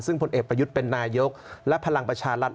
ซึ่งผลเอกประยุทธ์เป็นนายกและพลังประชารัฐ